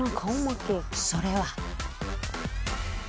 それは。